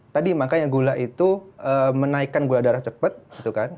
tadi makanya gula itu menaikkan gula darah cepat gitu kan